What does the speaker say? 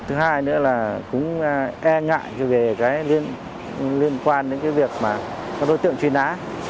thứ hai nữa là cũng e ngại về cái liên quan đến cái việc mà các đối tượng truy nã